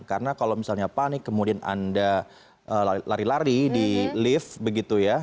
karena kalau misalnya panik kemudian anda lari lari di lift begitu ya